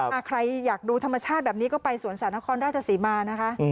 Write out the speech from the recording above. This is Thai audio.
ใครอยากดูธรรมชาติแบบนี้ก็ไปสวนสัตว์นครราชศรีมานะคะ